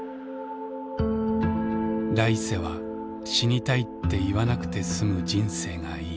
「来世は死にたいって言わなくて済む人生がいい」。